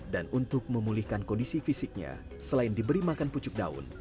dan untuk memulihkan kondisi fisiknya selain diberi makan pucuk daun